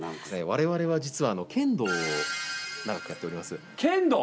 我々は実は剣道を長くやっております剣道？